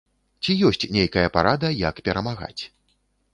Ці ёсць нейкая парада, як перамагаць?